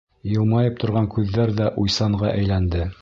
Йылмайып торған күҙҙәр ҙә уйсанға әйләнде.